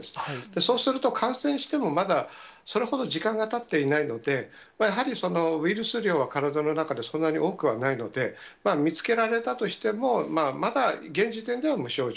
そうすると、感染してもまだそれほど時間がたっていないので、やはりウイルス量は、体の中でそんなに多くはないので、見つけられたとしても、まだ現時点では無症状。